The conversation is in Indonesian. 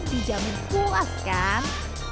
dijamin puas kan